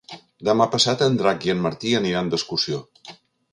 Demà passat en Drac i en Martí aniran d'excursió.